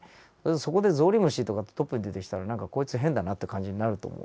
そこでゾウリムシとかってトップで出てきたら何かこいつ変だなって感じになると思うんですよね。